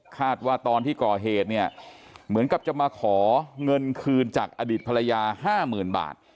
ตอนที่ก่อเหตุเนี่ยเหมือนกับจะมาขอเงินคืนจากอดีตภรรยา๕๐๐๐บาท